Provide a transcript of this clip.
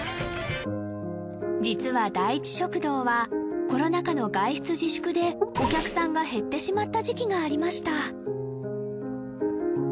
実は第一食堂はコロナ禍の外出自粛でお客さんが減ってしまった時期がありました